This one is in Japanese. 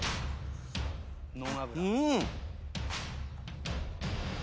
うん！